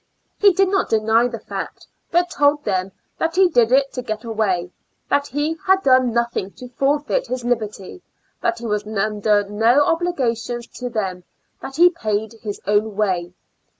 He did not deny the fact, but told them that he did it to get away; that he had done nothing to forfeit his liberty; that he was under no obligations to them; that he paid his own way.